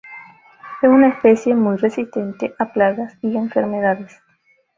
Es una especie muy resistente a plagas y enfermedades.